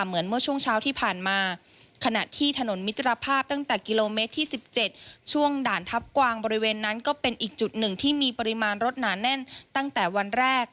เหมือนเมื่อช่วงเช้าที่ผ่านมาขณะที่ถนนมิตรภาพตั้งแต่กิโลเมตรที่๑๗ช่วงด่านทัพกวางบริเวณนั้นก็เป็นอีกจุดหนึ่งที่มีปริมาณรถหนาแน่นตั้งแต่วันแรก